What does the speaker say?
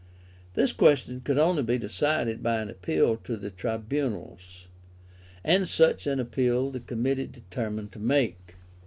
This question could only be decided by an appeal to the tribunals; and such an appeal the Committee determined to make.